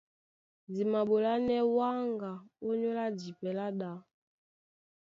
Di maɓolánɛ́ wáŋga ónyólá jipɛ lá ɗá.